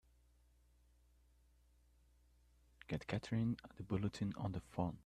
Get Katherine at the Bulletin on the phone!